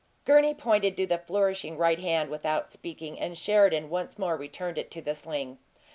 Gurney pointed to the flourishing right hand without speaking, and Sheridan once more returned it to the sling.